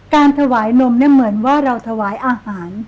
การถวายนมเนี่ยเหมือนว่าเราถวายอาหาร